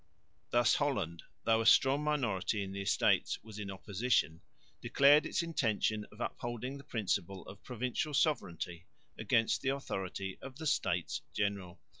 Thus Holland, though a strong minority in the Estates was in opposition, declared its intention of upholding the principle of provincial sovereignty against the authority of the States General.